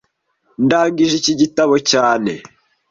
Ndangije iki gitabo cyane